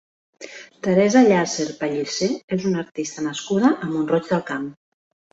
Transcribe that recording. Teresa Llàcer Pellicer és una artista nascuda a Mont-roig del Camp.